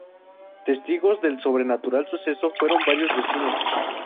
Testigos del sobrenatural suceso fueron varios vecinos.